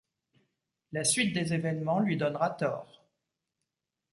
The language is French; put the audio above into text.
La suite des évènements lui donnera tort.